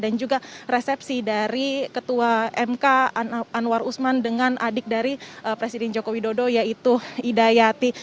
dan juga resepsi dari ketua mk anwar usman dengan adik dari presiden joko widodo yaitu ida yati